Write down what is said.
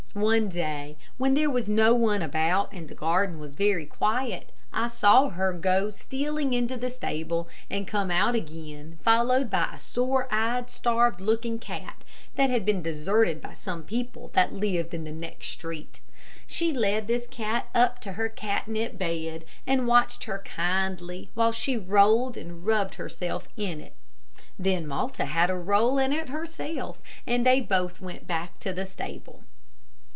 One day, when there was no one about and the garden was very quiet, I saw her go stealing into the stable, and come out again, followed by a sore eyed, starved looking cat, that had been deserted by some people that lived in the next street. She led this cat up to her catnip bed, and watched her kindly, while she rolled and rubbed herself in it. Then Malta had a roll in it herself, and they both went back to the stable.